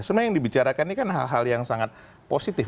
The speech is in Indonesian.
sebenarnya yang dibicarakan ini kan hal hal yang sangat positif